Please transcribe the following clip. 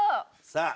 さあ。